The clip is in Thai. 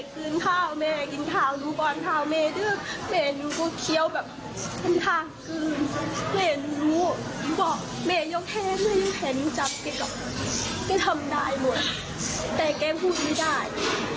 ก็ทำได้หมดแต่แกพูดไม่ได้